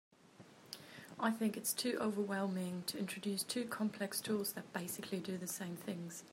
I think it’s too overwhelming to introduce two complex tools that basically do the same things.